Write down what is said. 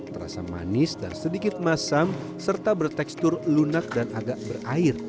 terasa manis dan sedikit masam serta bertekstur lunak dan agak berair